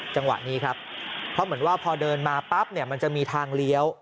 จังหวะนี้ครับเพราะเหมือนว่าพอเดินมาปั๊บเนี่ยมันจะมีทางเลี้ยว